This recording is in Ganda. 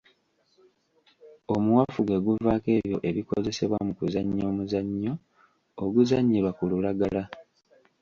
Omuwafu gwe guvaako ebyo ebikozesebwa mu kuzannya omuzannyo oguzannyirwa ku lulagala.